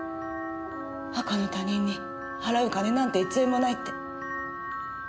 赤の他人に払う金なんて１円もないって。